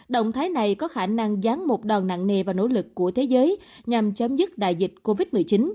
động thái này có khả năng gián một đòn nặng nề và nỗ lực của thế giới nhằm chấm dứt đại dịch covid một mươi chín